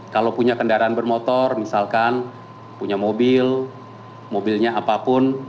kalau punya kendaraan bermotor misalkan punya mobil mobilnya apapun